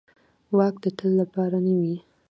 واک د تل لپاره نه وي